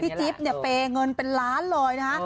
พี่จิ๊บเปย์เงินเป็นล้านหลอยนะ